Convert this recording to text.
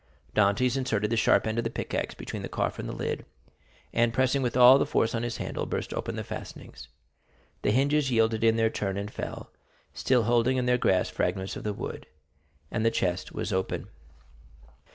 Dantès inserted the sharp end of the pickaxe between the coffer and the lid, and pressing with all his force on the handle, burst open the fastenings. The hinges yielded in their turn and fell, still holding in their grasp fragments of the wood, and the chest was open.